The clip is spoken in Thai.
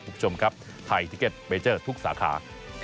ก็จะมีความสนุกของพวกเรา